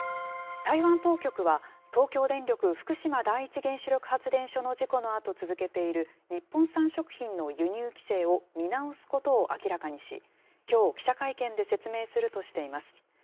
台湾当局は、東京電力福島第一原子力発電所の事故のあと続けている日本産食品の輸入規制を見直すことを明らかにし、きょう、記者会見で説明するとしています。